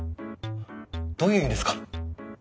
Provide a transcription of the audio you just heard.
どういう意味ですか？